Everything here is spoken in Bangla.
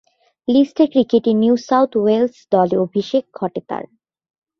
লিস্ট এ ক্রিকেটে নিউ সাউথ ওয়েলস দলে অভিষেক ঘটে তার।